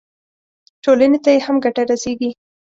ټولنې ته یې هم ګټه رسېږي.